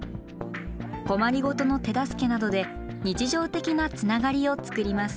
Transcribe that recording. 困り事の手助けなどで日常的なつながりを作ります。